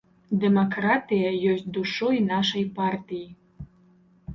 Дэмакратыя ёсць душой нашай партыі.